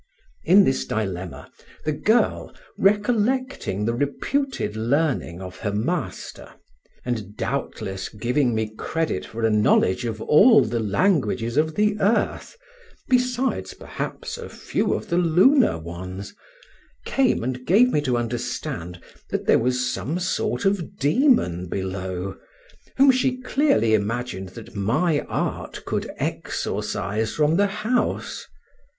In this dilemma, the girl, recollecting the reputed learning of her master (and doubtless giving me credit for a knowledge of all the languages of the earth besides perhaps a few of the lunar ones), came and gave me to understand that there was a sort of demon below, whom she clearly imagined that my art could exorcise from the house.